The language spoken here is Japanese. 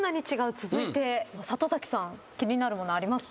続いて里崎さん気になるものありますか？